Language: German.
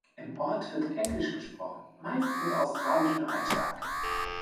Im Ort wird Englisch gesprochen, meist mit australischem Einschlag.